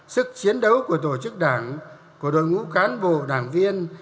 sức chiến đấu của tổ chức đảng của đội ngũ cán bộ đảng viên